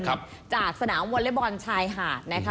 ครับจากสนาวอเล็กบอร์ลเฉยหาดนะคะ